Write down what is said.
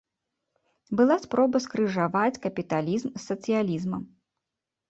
Была спроба скрыжаваць капіталізм з сацыялізмам.